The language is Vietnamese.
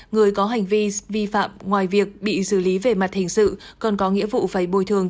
người có hành vi vi phạm ngoài việc bị xử lý về mặt hình sự còn có nghĩa vụ phải bồi thường